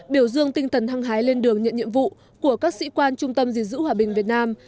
biểu dương tinh thần hăng hái lên đường nhận nhiệm vụ của các sĩ quan trung tâm diện giữ hòa bình việt nam